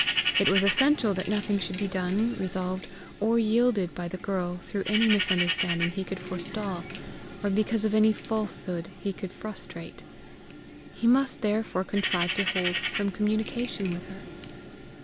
It was essential that nothing should be done, resolved, or yielded, by the girl, through any misunderstanding he could forestall, or because of any falsehood he could frustrate. He must therefore contrive to hold some communication with her!